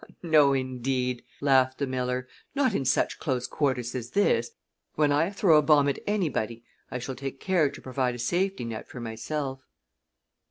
"No, indeed," laughed the miller. "Not in such close quarters as this. When I throw a bomb at anybody I shall take care to provide a safety net for myself."